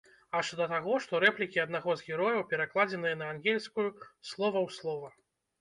Аж да таго, што рэплікі аднаго з герояў перакладзеныя на ангельскую слова ў слова.